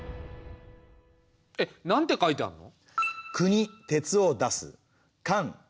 えっなんて書いてあるの？